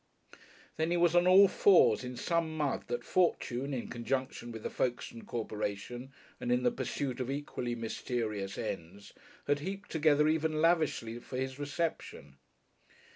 Then he was on all fours in some mud that Fortune, in conjunction with the Folkestone corporation and in the pursuit of equally mysterious ends, had heaped together even lavishly for his reception.